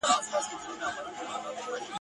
مُلا پاچا وي چړي وزیر وي !.